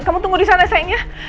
kamu tunggu di sana sayangnya